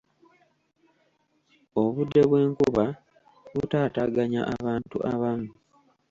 Obudde bw'enkuba butaataaganya abantu abamu.